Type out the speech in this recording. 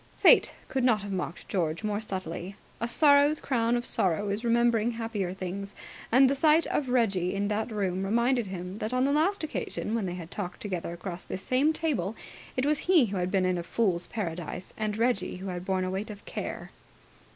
Fate could not have mocked George more subtly. A sorrow's crown of sorrow is remembering happier things, and the sight of Reggie in that room reminded him that on the last occasion when they had talked together across this same table it was he who had been in a Fool's Paradise and Reggie who had borne a weight of care.